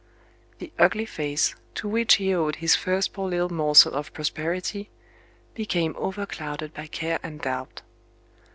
The ugly face, to which he owed his first poor little morsel of prosperity, became overclouded by care and doubt.